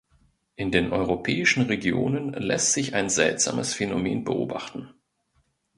In den europäischen Regionen lässt sich ein seltsames Phänomen beobachten.